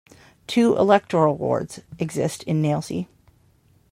Two electoral wards exist in "Nailsea".